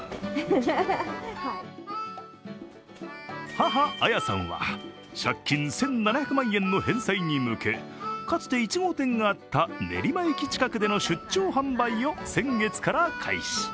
母・綾さんは借金１７００万円の返済に向けかつて１号店があった練馬駅近くでの出張販売を先月から開始。